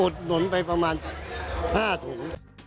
หนุนไปประมาณ๕ถุง